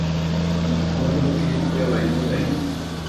umukono bwite wa nyirayo